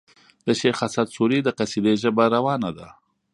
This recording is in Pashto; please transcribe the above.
د شېخ اسعد سوري د قصيدې ژبه روانه ده.